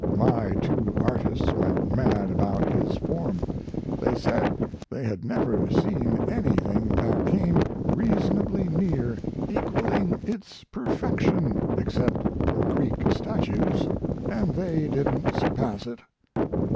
My two artists went mad about his form. They said they had never seen anything that came reasonably near equalling its perfection except Greek statues, & they didn't surpass it.